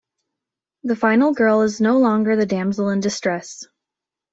The final girl is no longer the damsel in distress.